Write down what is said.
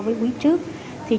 và có sự cải thiện